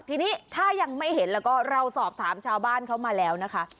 ทีนี้ถ้ายังไม่เห็นแล้วก็เราสอบถามชาวบ้านเขามาแล้วนะคะ